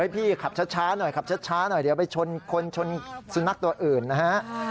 พี่ขับช้าหน่อยเดี๋ยวไปชนสุนัขตัวอื่นนะฮะ